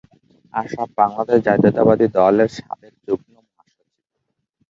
আশরাফ বাংলাদেশ জাতীয়তাবাদী দলের সাবেক যুগ্ম মহাসচিব।